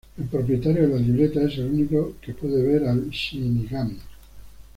El propietario de la libreta es el único que puede ver al shinigami.